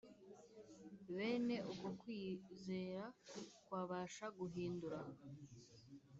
bene uko kwizera kwabasha guhindura